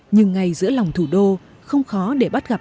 nhưng ngay giữa lòng thủ đô không khó để bắt gặp